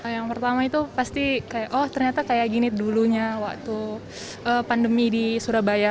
yang pertama itu pasti kayak oh ternyata kayak gini dulunya waktu pandemi di surabaya